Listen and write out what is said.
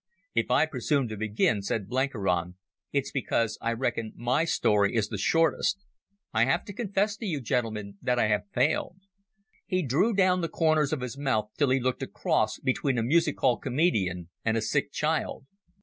"If I presume to begin," said Blenkiron, "it's because I reckon my story is the shortest. I have to confess to you, gentlemen, that I have failed." He drew down the corners of his mouth till he looked a cross between a music hall comedian and a sick child.